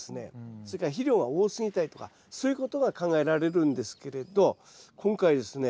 それから肥料が多すぎたりとかそういうことが考えられるんですけれど今回ですね